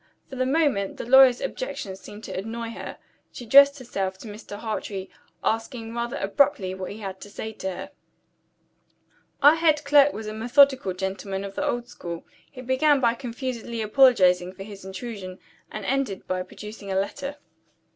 For the moment, the lawyer's objections seemed to annoy her. She addressed herself to Mr. Hartrey; asking rather abruptly what he had to say to her. Our head clerk was a methodical gentleman of the old school. He began by confusedly apologizing for his intrusion; and ended by producing a letter.